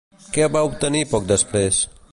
Què va obtenir poc després?